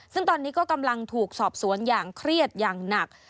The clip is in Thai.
ซึ่งตอนนี้ก็กำลังถูกสอบสวนอย่างเครียดอย่างหนัก